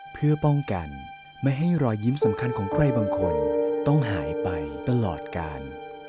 เพื่อป้องกันไม่ให้รอยยิ้มสำคัญของใครบางคนต้องหายไปตลอดกาล